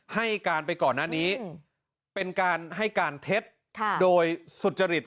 ให้การไปก่อนหน้านี้เป็นการให้การเท็จโดยสุจริต